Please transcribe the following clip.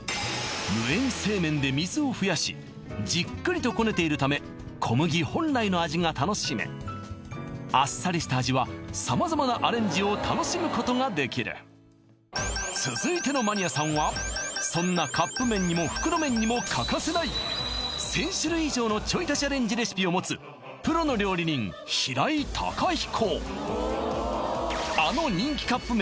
無塩製麺で水を増やしじっくりとこねているため小麦本来の味が楽しめあっさりした味は様々なアレンジを楽しむことができる続いてのマニアさんはそんなカップ麺にも袋麺にも欠かせない１０００種類以上のちょい足しアレンジレシピを持つプロの料理人平井孝彦